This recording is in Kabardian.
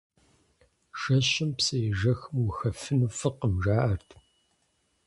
Жэщым псыежэхым ухэфыну фӀыкъым, жаӀэрт.